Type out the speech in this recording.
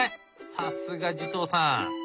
さすが慈瞳さん。